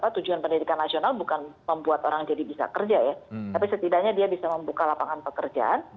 tapi setidaknya dia bisa membuka lapangan pekerjaan dan kemudian bisa membuat orang jadi bisa kerja ya tapi setidaknya dia bisa membuka lapangan pekerjaan